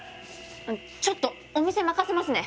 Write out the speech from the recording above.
ちょっとお店任せますね！